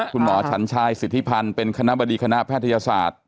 ฉันชายสิทธิพันธ์เป็นคณะบดีคณะแพทยศาสตร์